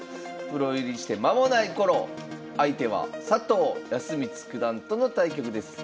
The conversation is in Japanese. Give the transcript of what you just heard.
プロ入りして間もない頃相手は佐藤康光九段との対局です。